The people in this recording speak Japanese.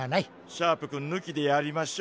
シャープくんぬきでやりましょう。